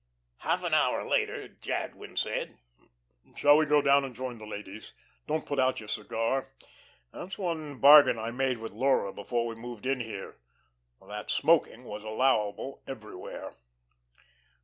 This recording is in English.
Half an hour later Jadwin said: "Shall we go down and join the ladies? Don't put out your cigar. That's one bargain I made with Laura before we moved in here that smoking was allowable everywhere."